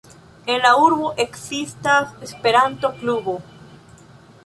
En la urbo ekzistas Esperanto-klubo.